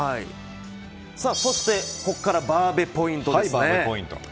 そして、ここからバーべポイントですね。